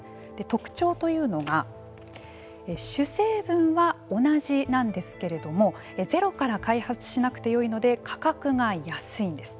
特徴というのが主成分は同じなんですけれどもゼロから開発しなくてよいので価格が安いんです。